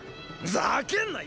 ざけんな！